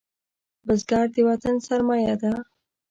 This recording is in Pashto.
بزګر د وطن سرمايه ده